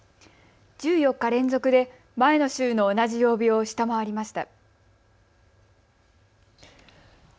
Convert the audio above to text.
１４日連続で前の週の同じ曜日を下回りました。